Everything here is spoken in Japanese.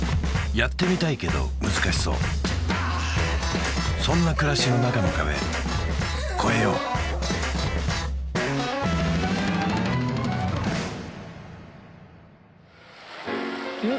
やってみたいけど難しそうそんな暮らしの中の壁越えよううん？